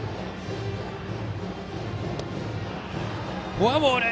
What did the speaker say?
フォアボール。